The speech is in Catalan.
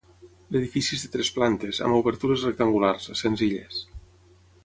L’edifici és de tres plantes, amb obertures rectangulars, senzilles.